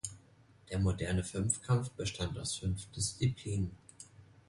Der Moderne Fünfkampf bestand aus fünf Disziplinen.